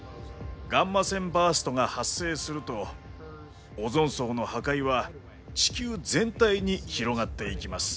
ガンマ線バーストが発生するとオゾン層の破壊は地球全体に広がっていきます。